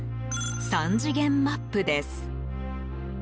３次元マップです。